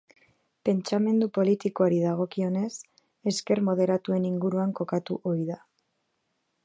Pentsamendu politikoari dagokionez, ezker moderatuaren inguruan kokatu ohi da.